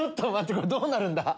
これどうなるんだ